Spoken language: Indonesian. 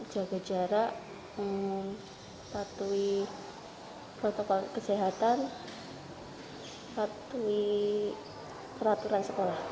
jaga jarak patuhi protokol kesehatan patuhi peraturan sekolah